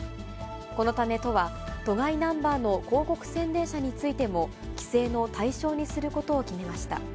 このため都は、都外ナンバーの広告宣伝車についても、規制の対象にすることを決めました。